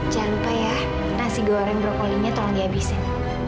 jangan lupa ya nasi goreng brokolinya tolong dihabisin